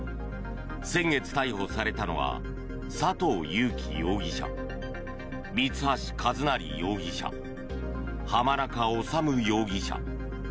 先月逮捕されたのが佐藤友紀容疑者三橋一成容疑者、濱中治容疑者。